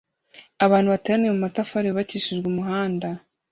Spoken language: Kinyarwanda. Abantu bateraniye mu matafari yubakishijwe umuhanda